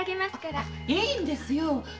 いいんですよ。